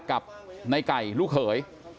กับในไก่ลูกเขย